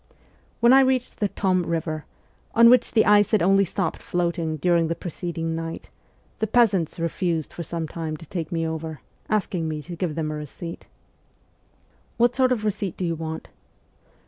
When I reached the Tom river, on which the ice had only stopped float ing during the preceding night, the peasants refused for some time to take me over, asking me to give them ' a receipt.' ' What sort of receipt do you want